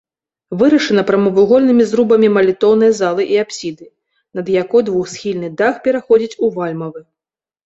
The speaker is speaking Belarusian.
Вырашана прамавугольнымі зрубамі малітоўнай залы і апсіды, над якой двухсхільны дах пераходзіць у вальмавы.